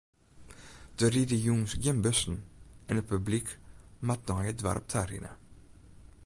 Der ride jûns gjin bussen en it publyk moat nei it doarp ta rinne.